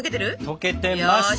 溶けてます。